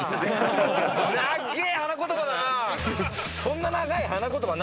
なげえ花言葉だな。